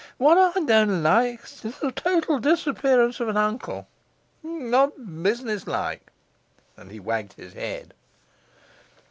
What I don' like's total disappearance of an uncle. Not businesslike.' And he wagged his head.